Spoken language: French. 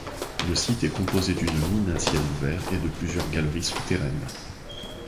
Le site est composé d'une mine à ciel ouvert et de plusieurs galeries souterraines.